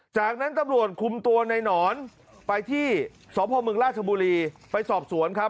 จากนั้นตำรวจคุมตัวในหนอนไปที่สพมราชบุรีไปสอบสวนครับ